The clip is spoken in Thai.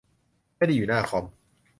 ไม่ได้อยู่หน้าคอม